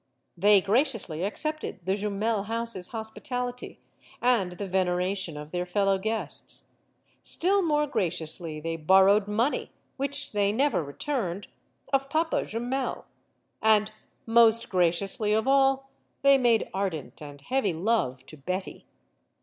They graciously accepted the Jumel house's hospitality and the veneration of their fellow guests; still more graciously they borrowed money which they never returned of Papa Jumel; and most graciously of all they made ardent and heavy love to Betty.